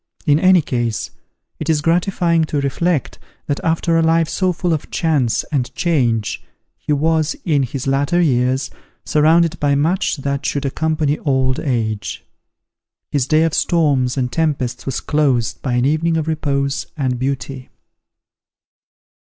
In any case, it is gratifying to reflect, that after a life so full of chance and change, he was, in his latter years, surrounded by much that should accompany old age. His day of storms and tempests was closed by an evening of repose and beauty.